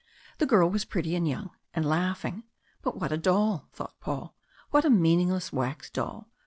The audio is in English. The girl was pretty and young, and laughing. But what a doll! thought Paul. What a meaningless wax doll!